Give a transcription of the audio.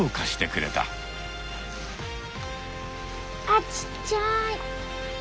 あちっちゃい。